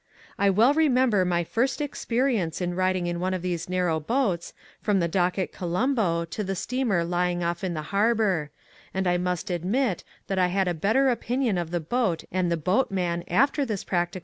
I well remember my first experience in riding in one of these narrow boats from the dock at Colombo to the steamer lying oflf in the harbor, and I must admit that I had a better opin ion of the boat and the boatman after this practical test than I had before.